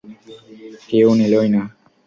কেউ নিলোই না।